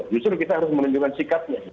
justru kita harus menunjukkan sikapnya